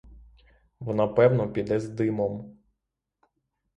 Вона певно піде з димом.